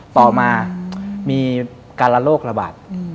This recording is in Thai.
ต่อมามีการละโรคระบาด